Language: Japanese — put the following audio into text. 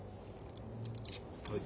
はい。